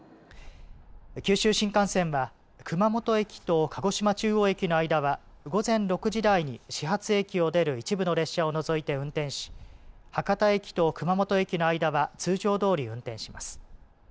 九州新幹線は熊本駅と鹿児島中央駅の間は午前６時台に始発駅を出る一部の列車を除いて運転し、博多駅と熊本駅の間は通常どおり運転します。